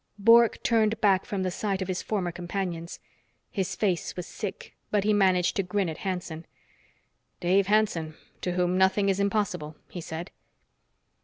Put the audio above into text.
Bork turned back from the sight of his former companions. His face was sick, but he managed to grin at Hanson. "Dave Hanson, to whom nothing is impossible," he said.